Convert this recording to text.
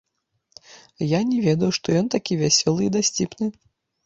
Я не ведаў, што ён такі вясёлы і дасціпны.